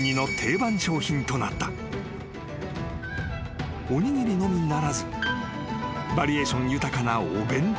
［おにぎりのみならずバリエーション豊かなお弁当や］